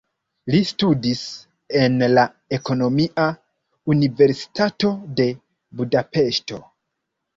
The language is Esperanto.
Li studis en la Ekonomia Universitato de Budapeŝto.